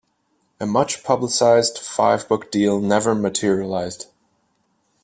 A much-publicised five-book deal never materialised.